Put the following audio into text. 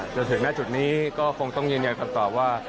จนถึงหน้าจุดนี้ก็คงต้องยืนยันคำตอบว่า